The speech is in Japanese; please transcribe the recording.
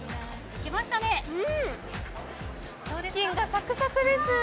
チキンがサクサクです。